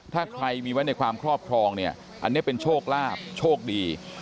ถ้าใครมีไว้ในความครอบครองเนี่ยอันนี้เป็นโชคลาภโชคดี